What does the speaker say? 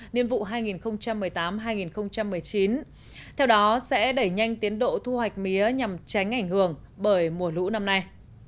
nhiên vụ hai nghìn một mươi tám hai nghìn một mươi chín theo đó sẽ đẩy nhanh tiến độ thu hoạch mía nhằm tránh ảnh hưởng bởi mùa lũ năm nay